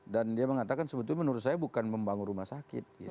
dan dia mengatakan sebetulnya menurut saya bukan membangun rumah sakit